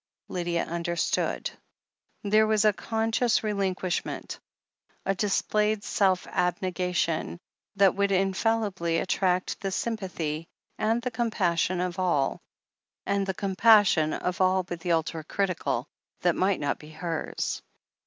Lydia understood. There was a conscious relinquishment, a displayed self abnegation, that would infallibly attract the sym pathy and the compassion of all but the ultra critical, that might not be hers.